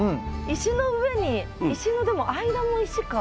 石の上に石のでも間も石か。